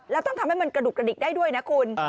แล้วต้องทำให้มันกระดุกกระดิกได้ด้วยนะคุณ